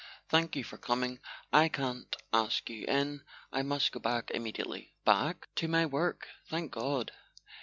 "Thank you for coming. I can't ask you in—I must go back immediately." "Back?" "To my work. Thank God.